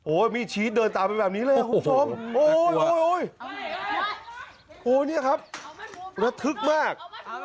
โอ้โหโอ้โหโอ้โหนี่ครับระทึกมาก